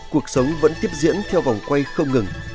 cuộc sống vẫn tiếp diễn theo vòng quay không ngừng